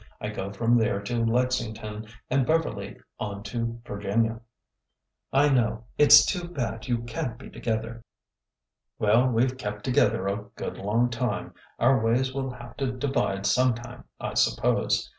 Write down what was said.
I go from there to Lexington, and Beverly on to Vir ginia." I know. It 's too bad you can't be together !" Well, we 've kept together a good long time. Our ways will have to divide sometime, I suppose.